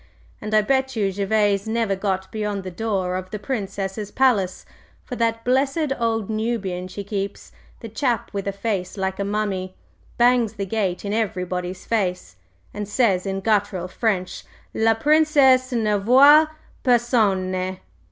And I bet you Gervase never got beyond the door of the Princess's palace; for that blessed old Nubian she keeps the chap with a face like a mummy bangs the gate in everybody's face, and says in guttural French: '_La Princesse ne voit per r r sonne!